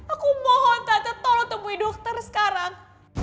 aku mohon tante tolong temui dokter sekarang